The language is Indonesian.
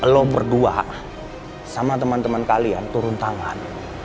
lo berdua sama temen temen kalian turun tangan